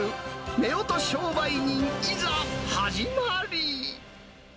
めおと商売人いざ、始まり。